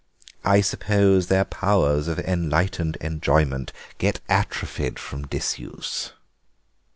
I suppose their powers of enlightened enjoyment get atrophied from disuse."